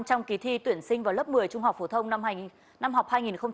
trong kỳ thi tuyển sinh vào lớp một mươi trung học phổ thông năm học hai nghìn